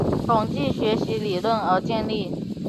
统计学习理论而建立。